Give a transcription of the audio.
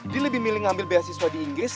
dia lebih milih ngambil beasiswa di inggris